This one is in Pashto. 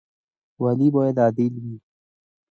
والي باید عادل وي